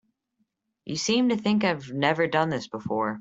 You seem to think I've never done this before.